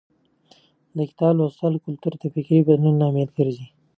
د کتاب لوستلو کلتور د فکري بدلون لامل ګرځي.